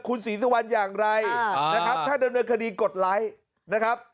คุณศรีสุวรรณอย่างไรนะครับถ้าดำเนินคดีกดไลค์นะครับ